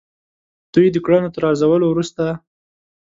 دوی د کړنو تر ارزولو وروسته.